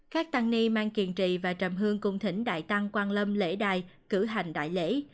các tăng ni mang kiên trì và trầm hương cùng thỉnh đại tăng quan lâm lễ đài cử hành đại lễ